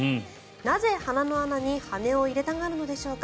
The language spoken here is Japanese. なぜ、鼻の穴に羽根を入れたがるのでしょうか。